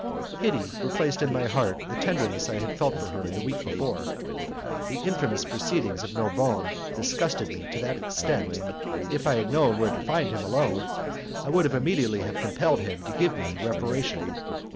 Pity replaced in my heart the tenderness I had felt for her a week before. The infamous proceedings of Narbonne disgusted me to that extent that, if I had known where to find him alone, I would immediately have compelled him to give me reparation.